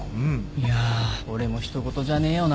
いや俺も人ごとじゃねえよな。